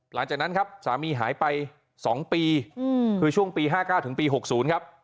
หลังจากนั้นครับสามีหายไป๒ปีคือช่วงปี๕๙ถึงปี๖๐ครับ